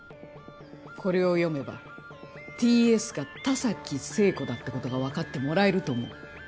これを読めばＴ・Ｓがタサキ・セイコだってことが分かってもらえると思う。